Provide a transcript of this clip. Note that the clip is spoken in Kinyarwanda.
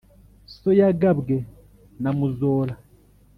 so yagabwe na muzora.